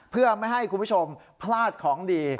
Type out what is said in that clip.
เพื่อไม่ให้คุณผู้ชมพลาดของดี